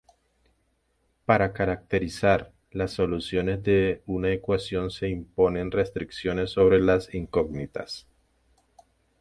Para caracterizar las soluciones de una ecuación se imponen restricciones sobre las incógnitas.